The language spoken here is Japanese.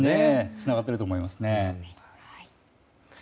つながっていると思います。